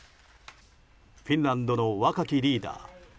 フィンランドの若きリーダー